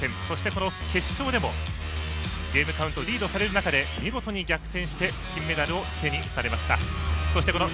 そして、この決勝でもゲームカウントをリードされる中見事に逆転して金メダルを手にしました。